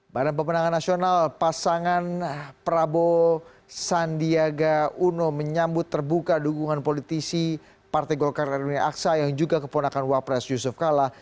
badan pemenangan nasional pasangan prabowo sandiaga uno menyambut terbuka dukungan politisi partai golkar rw aksa yang juga keponakan wapres yusuf kala